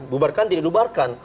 bubarkan tidak dibubarkan